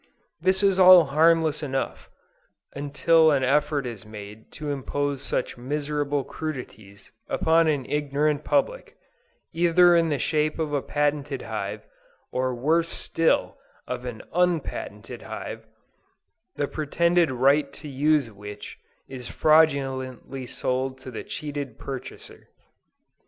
This is all harmless enough, until an effort is made to impose such miserable crudities upon an ignorant public, either in the shape of a patented hive, or worse still, of an UNPATENTED hive, the pretended RIGHT to use which, is FRAUDULENTLY sold to the cheated purchaser!!